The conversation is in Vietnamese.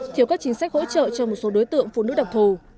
thiếu các chính sách hỗ trợ cho một số đối tượng phụ nữ đặc thù